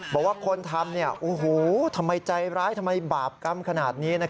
บอกว่าคนทำทำไมใจร้ายทำไมบาปกรรมขนาดนี้